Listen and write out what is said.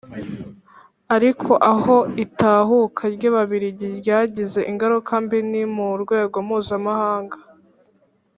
ariko aho itahuka ry'ababiligi ryagize ingaruka mbi ni mu rwego mpuzamahanga.